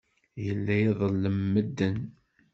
Yella iḍellem medden.